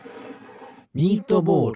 ミートボール。